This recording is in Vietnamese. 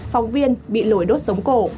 phòng viên bị lỗi đốt sống cổ